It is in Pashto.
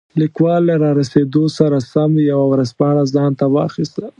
لیکوال له رارسېدو سره سم یوه ورځپاڼه ځانته واخیسته.